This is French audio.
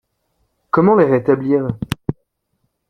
Comment la rétablir?